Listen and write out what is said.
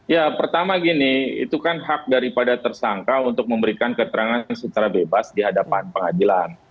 ya pertama gini itu kan hak daripada tersangka untuk memberikan keterangan secara bebas di hadapan pengadilan